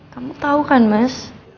kamu tau kan mas